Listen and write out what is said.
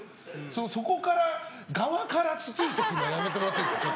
そこから、側からつついてくるのやめてもらっていいですか。